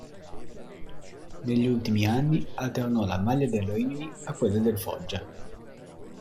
Negli ultimi anni alternò la maglia del Rimini a quella del Foggia.